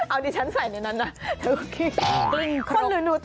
เอานี้ทั้งใส่นะคะ